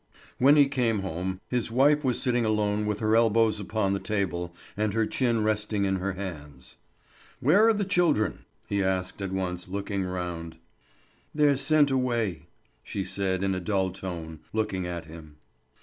When he came home, his wife was sitting alone with her elbows upon the table and her chin resting in her hands. "Where are the children?" he asked at once, looking round. "They're sent away," she said in a dull tone, looking at him.